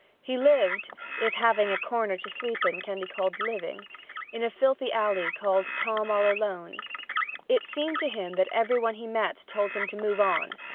He lived (if having a corner to sleep in can be called living) in a filthy alley called "Tom all Alone's." It seemed to him that every one he met told him to "move on."